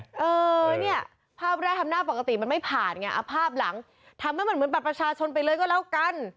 เออเนี่ยภาพแรกทำหน้าปกติมันไม่ผ่านไงเอาภาพหลังทำให้มันเหมือนบัตรประชาชนไปเลยก็แล้วกัน